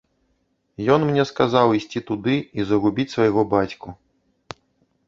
Ён мне сказаў ісці туды і загубіць свайго бацьку.